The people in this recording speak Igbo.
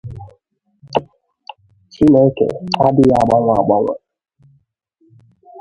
Chineke adịghị agbanwe agbanwe